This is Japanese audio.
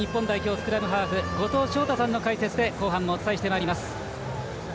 スクラムハーフ後藤翔太さんの解説で後半お伝えしてまいります。